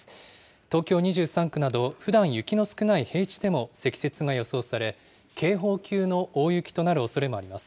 東京２３区など、ふだん雪の少ない平地でも積雪が予想され、警報級の大雪となるおそれもあります。